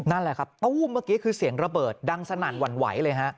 นั่นแหละครับตู้มเมื่อกี้คือเสียงระเบิดดังสนั่นหวั่นไหวเลยฮะ